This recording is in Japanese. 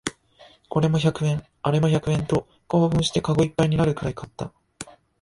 これも百円、あれも百円と興奮してカゴいっぱいになるくらい買った